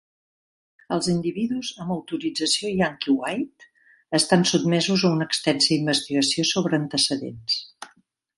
Els individus amb autorització Yankee White estan sotmesos a una extensa investigació sobre antecedents.